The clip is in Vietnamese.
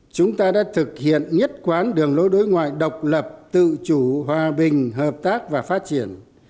chúng ta đã thực hiện nhất quán đường lối đối ngoại độc lập tự chủ hòa bình hợp tác và phát triển